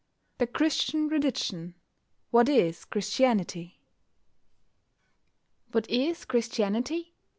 THE CHRISTIAN RELIGION WHAT IS CHRISTIANITY? What is Christianity?